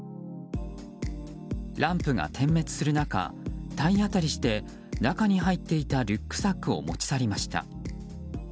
ランプが点滅する中体当たりして中に入っていたリュックサックを持ち去りました。